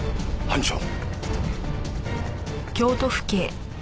班長。